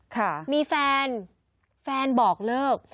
ค่ะมีแฟนแฟนบอกเลิก